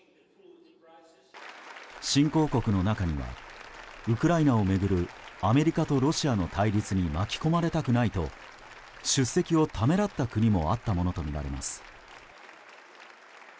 新興国の中にはウクライナを巡るアメリカとロシアの対立に巻き込まれたくないと出席をためらった国もあったものとみられます。